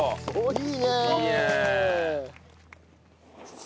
いいね！